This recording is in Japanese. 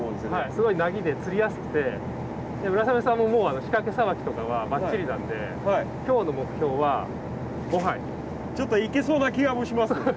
すごいなぎで釣りやすくて村雨さんももう仕掛けさばきとかがバッチリなんでちょっといけそうな気もします。